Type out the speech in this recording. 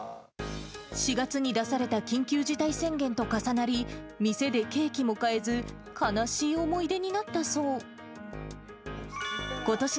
４月に出された緊急事態宣言と重なり、店でケーキも買えず、悲しい思い出になったそう。